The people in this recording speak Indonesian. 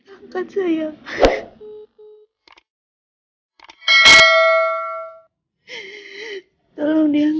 aku juga gak tau kamu ada dimana